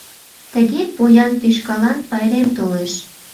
Тыге поян тӱшкалан пайрем толеш.